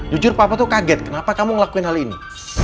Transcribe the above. jujur papa tuh kaget kenapa kamu ngelakuin hal ini